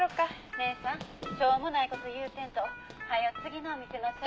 「姉さんしょうもない事言うてんと早う次のお店の紹介」